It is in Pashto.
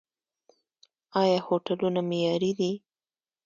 آیا هوټلونه معیاري دي؟